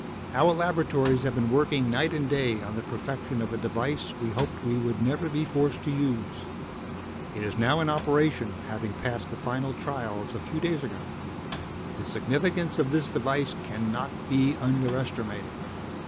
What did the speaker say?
"Our laboratories have been working night and day on the perfection of a device we hoped we would never be forced to use. It is now in operation, having passed the final trials a few days ago. "The significance of this device cannot be underestimated.